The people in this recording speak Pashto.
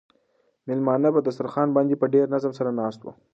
مېلمانه په دسترخوان باندې په ډېر نظم سره ناست وو.